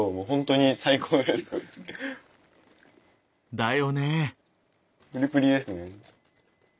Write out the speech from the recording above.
だよね！